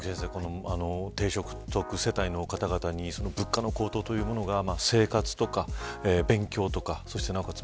低所得世帯の方々に物価の高騰というものが生活とか勉強とかなおかつ